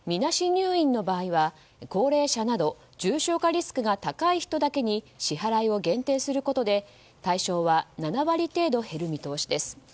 入院の場合は高齢者など重症化リスクが高い人だけに支払いを限定することで対象は７割程度減る見通しです。